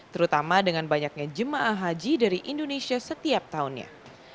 terutama dengan banyaknya jemaah haji dari indonesia setiap tahunnya